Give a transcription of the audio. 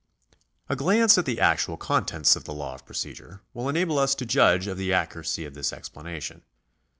A glance at the actual contents of the law of procedure will enable us to judge of the accuracy of this explanation.